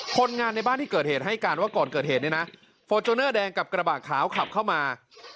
คนงานในบ้านที่เกิดเหตุให้การว่าก่อนเกิดเหตุเนี่ยนะฟอร์จูเนอร์แดงกับกระบะขาวขับเข้ามา